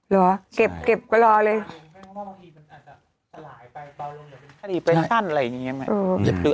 เวลาเนี้ย